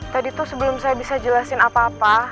tadi tuh sebelum saya bisa jelasin apa apa